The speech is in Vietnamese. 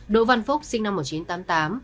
đỗ văn phúc sinh năm một nghìn chín trăm tám mươi tám